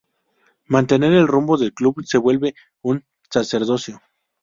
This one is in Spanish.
Mantener el rumbo del club se vuelve un sacerdocio.